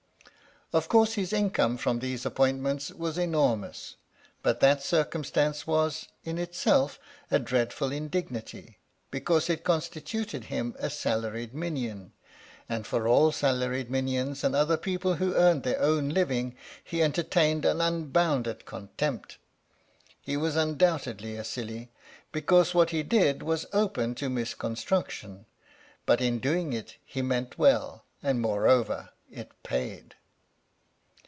Of course his income from these appointments was enormous, but that circumstance was in itself a dreadful indignity, because it constituted him a salaried minion, and for all salaried minions and other people who earned their own living he entertained an unbounded contempt. He was un doubtedly a silly, because what he did was open to 19 THE STORY OF THE MIKADO misconstruction, but in doing it he meant well, and moreover it paid.